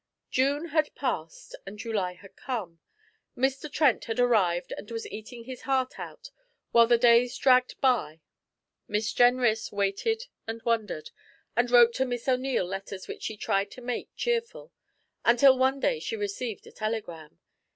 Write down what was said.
June had passed and July had come. Mr. Trent had arrived and was eating his heart out while the days dragged by. Miss Jenrys waited and wondered, and wrote to Miss O'Neil letters which she tried to make cheerful, until one day she received a telegram.